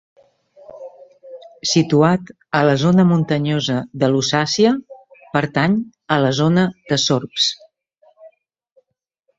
Situat a la zona muntanyosa de Lusàcia, pertany a la zona de Sorbs.